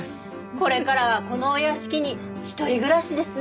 これからはこのお屋敷に一人暮らしですね。